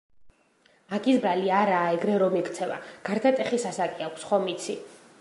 მაგის ბრალი არაა ეგრე რომ იქცევა, გარდატეხის ასაკი აქვს, ხომ იცი.